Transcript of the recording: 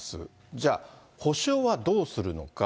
じゃあ、補償はどうするのか。